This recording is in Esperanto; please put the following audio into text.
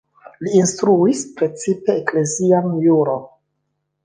Li instruis precipe eklezian juron.